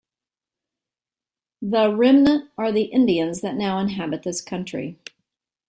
The remnant are the Indians that now inhabit this country.